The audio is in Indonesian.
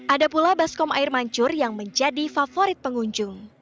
ada pula baskom air mancur yang menjadi favorit pengunjung